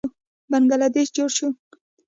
بنګله دیش جوړ شو.